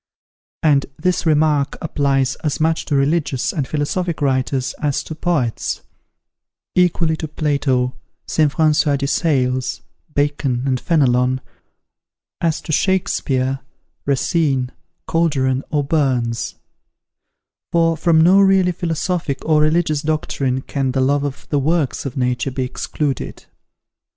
And this remark applies as much to religious and philosophic writers as to poets, equally to Plato, St. François de Sales, Bacon, and Fenelon, as to Shakespeare, Racine, Calderon, or Burns; for from no really philosophic or religious doctrine can the love of the works of Nature be excluded.